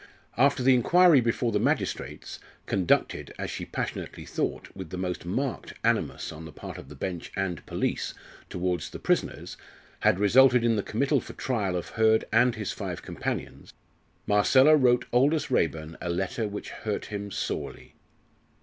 After the inquiry before the magistrates conducted, as she passionately thought, with the most marked animus on the part of the bench and police towards the prisoners had resulted in the committal for trial of Hurd and his five companions, Marcella wrote Aldous Raeburn a letter which hurt him sorely.